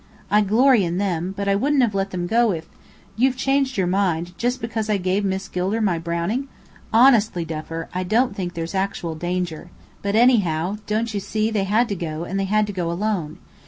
"I glory in them, but I wouldn't have let them go if " "You've changed your mind, just because I gave Miss Gilder my Browning? Honestly, Duffer, I don't think there's actual danger. But, anyhow, don't you see, they had to go, and they had to go alone.